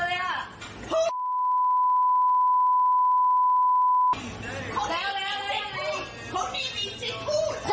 แล้วแล้วแล้วยังไงคนนี้มีสิทธิ์พูด